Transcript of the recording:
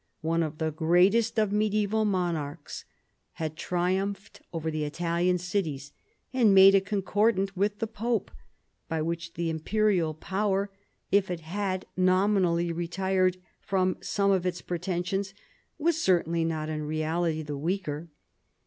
one of the greatest of medieval monarchs, had triumphed over the Italian cities, and made a concordat with the pope, by which the imperial power, if it had nominally retired from some of its pretensions, was certainly not in reality the weaker.